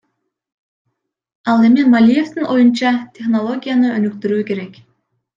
Ал эми Малиевдин оюнча, технологияны өнүктүрүү керек.